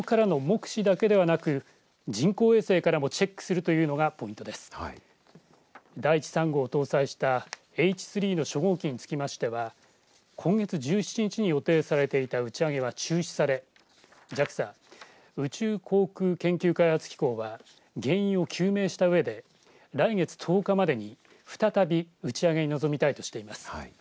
だいち３号を搭載したＨ３の初号機につきましては今月１７日に予定されていた打ち上げは中止されＪＡＸＡ宇宙航空研究開発機構は原因を究明したうえで来月１０日までに再び打ち上げに臨みたいとしています。